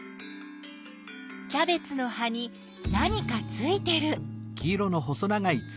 キャベツの葉に何かついてる。